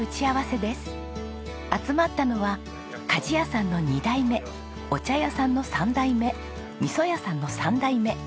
集まったのは鍛冶屋さんの２代目お茶屋さんの３代目味噌屋さんの３代目。